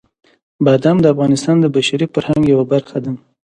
بادام د افغانستان د بشري فرهنګ یوه برخه ده.